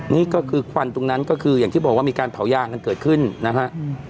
นี่ก็คือควันตรงนั้นก็คืออย่างที่บอกว่ามีการเผายางกันเกิดขึ้นนะฮะ